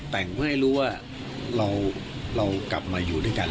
แต่งเพื่อให้รู้ว่าเรากลับมาอยู่ด้วยกัน